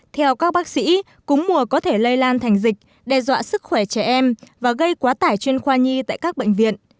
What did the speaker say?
theo các bác sĩ cúm mùa có thể lây lan thành dịch đe dọa sức khỏe trẻ em và gây quá tải chuyên khoa nhi tại các bệnh viện